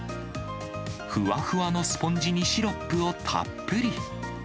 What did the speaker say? ふわふわのスポンジにシロップをたっぷり。